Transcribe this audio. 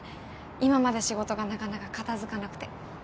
今まで仕事がなかなか片づかなくて。